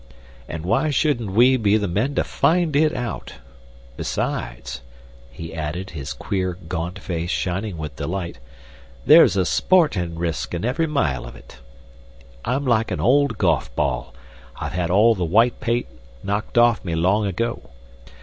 And why shouldn't we be the men to find it out? Besides," he added, his queer, gaunt face shining with delight, "there's a sportin' risk in every mile of it. I'm like an old golf ball I've had all the white paint knocked off me long ago.